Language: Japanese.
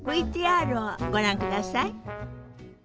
ＶＴＲをご覧ください。